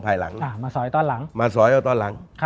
ภายหลังมาสอยตอนหลัง